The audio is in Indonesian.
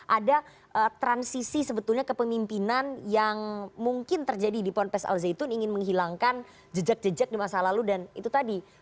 ada transisi sebetulnya kepemimpinan yang mungkin terjadi di ponpes al zaitun ingin menghilangkan jejak jejak di masa lalu dan itu tadi